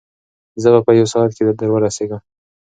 زه به په یو ساعت کې در ورسېږم.